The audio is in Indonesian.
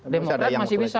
demokrat masih bisa